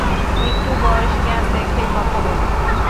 একটু বয়সজ্ঞান দেখে কথা বলো।